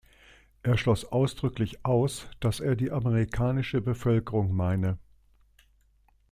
Er schloss ausdrücklich aus, dass er die amerikanische Bevölkerung meine.